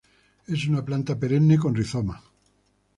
Es una planta perenne con rizomas.